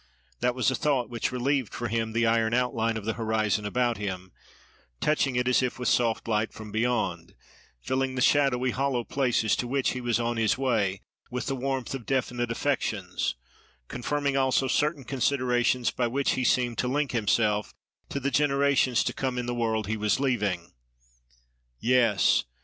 That was a thought which relieved for him the iron outline of the horizon about him, touching it as if with soft light from beyond; filling the shadowy, hollow places to which he was on his way with the warmth of definite affections; confirming also certain considerations by which he seemed to link himself to the generations to come in the world he was leaving. Yes!